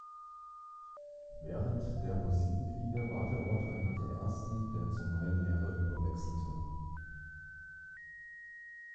Während der Hussitenkriege war der Ort einer der ersten, der zur neuen Lehre überwechselte.